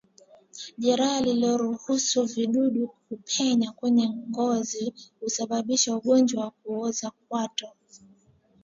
Jeraha linaloruhusu vijidudu kupenya kwenye ngozi husababisha ugonjwa wa kuoza kwato